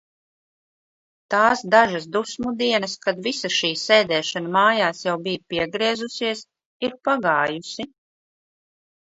Tās dažas dusmu dienas, kad visa šī sēdēšana mājās jau bija piegriezusies, ir pagājusi.